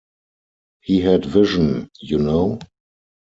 He had vision, you know?